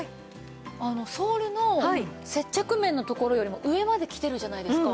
ソールの接着面のところよりも上まで来てるじゃないですか。